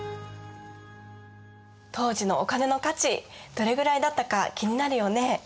当時のお金の価値どれぐらいだったか気になるよね。